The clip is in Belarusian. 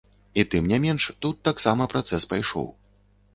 І тым не менш тут таксама працэс пайшоў.